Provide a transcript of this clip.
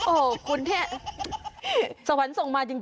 โอ้โหคุณแค่สวรรค์ส่งมาจริง